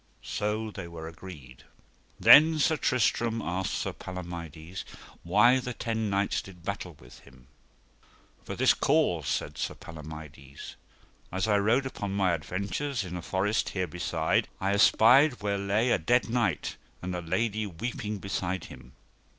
So they were agreed. Then Sir Tristram asked Sir Palomides why the ten knights did battle with him. For this cause, said Sir Palomides; as I rode upon mine adventures in a forest here beside I espied where lay a dead knight, and a lady weeping beside him.